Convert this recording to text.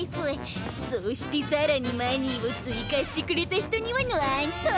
そして更にマニーを追加してくれた人にはぬわんと。